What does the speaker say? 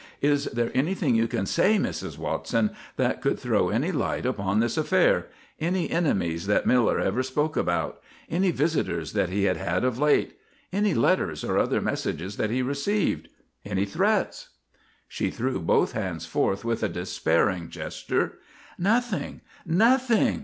"Is there anything you can say, Mrs. Watson, that could throw any light upon this affair? Any enemies that Miller ever spoke about? Any visitors that he has had of late? Any letters or other messages that he received? Any threats?" She threw both hands forth with a despairing gesture. "Nothing, nothing!"